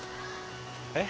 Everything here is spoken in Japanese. えっ？